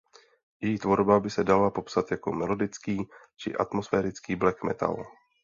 Její tvorba by se dala popsat jako melodický či atmosférický black metal.